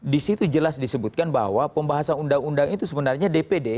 di situ jelas disebutkan bahwa pembahasan undang undang itu sebenarnya dpd